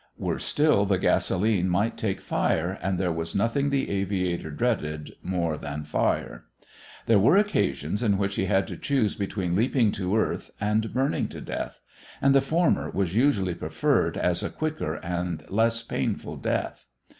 Worse still, the gasolene might take fire and there was nothing the aviator dreaded more than fire. There were occasions in which he had to choose between leaping to earth and burning to death, and the former was usually preferred as a quicker and less painful death.